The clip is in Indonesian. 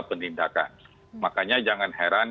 penindakan makanya jangan heran